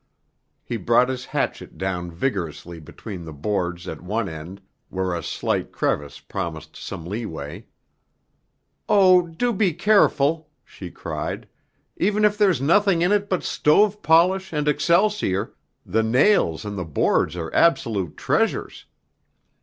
He brought his hatchet down vigorously between the boards at one end, where a slight crevice promised some leeway. "Oh, do be careful," she cried "even if there's nothing in it but stove polish and excelsior, the nails and the boards are absolute treasures!"